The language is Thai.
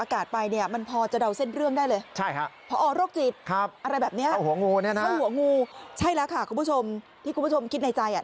อากาศไปนี่มันพอจะเดาเส้นเรื่องได้เลย